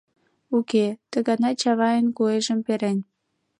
Уке, ты гана Чавайнын куэжым перен.